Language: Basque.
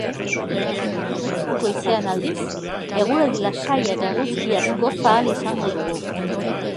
Goizean, aldiz, eguraldi lasaia eta eguzkiaz goza ahal izango dugu.